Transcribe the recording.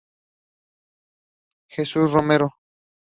Jesús Romero.